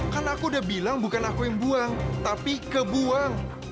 kan aku udah bilang bukan aku yang buang tapi kebuang